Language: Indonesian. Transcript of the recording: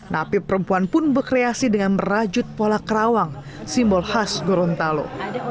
napi perempuan pun berkreasi dengan merajut pola kerawang simbol khas gorontalo